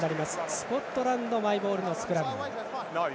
スコットランドのマイボールスクラム。